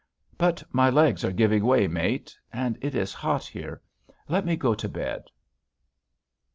But my legs are giving way, mate, and it is hot here.... Let me go to bed."